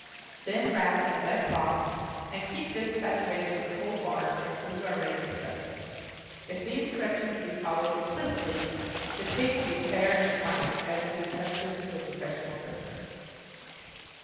Then wrap in a wet cloth, and keep this saturated with cold water until you are ready to stuff it. If these directions be followed implicitly, the pig will be fair and white, as if intrusted to a professional butcher.